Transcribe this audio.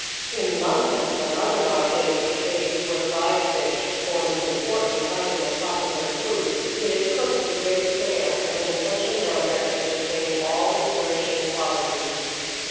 In London, and other large English cities, where fried fish forms an important item of popular food, it is cooked with great care, and in such a manner as to retain all its nourishing qualities.